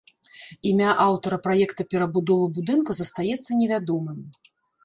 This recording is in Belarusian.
Імя аўтара праекта перабудовы будынка застаецца невядомым.